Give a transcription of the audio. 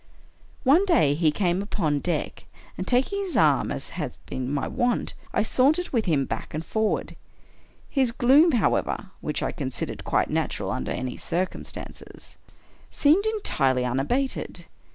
One day he came upon deck, and, taking his arm as had been my wont, I sauntered with him backward and for ward. His gloom, however (which I considered quite natu ral under any circumstances), seemed entirely unabated.